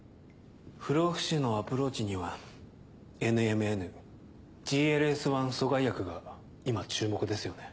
不老不死へのアプローチにはＮＭＮＧＬＳ１阻害薬が今注目ですよね。